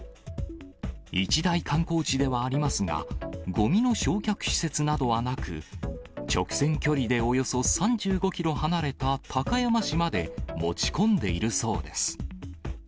一大観光地ではありますが、ごみの焼却施設などはなく、直線距離でおよそ３５キロ離れた高山市まで持ち込んでいるそうです。